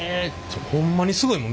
ホンマにすごいもん。